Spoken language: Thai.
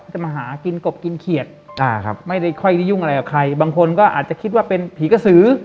จะมาหากินกบกินเขียดอ่าครับไม่ได้ค่อยได้ยุ่งอะไรกับใครบางคนก็อาจจะคิดว่าเป็นผีกระสือ